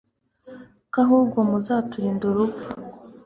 ko ahubwo muzaturinda urupfu